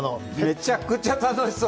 めちゃくちゃ楽しそう！